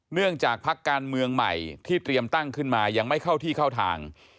เนื่องจากพักการเมืองใหม่ที่เตรียมตั้งขึ้นมายังไม่เข้าที่เข้าทาง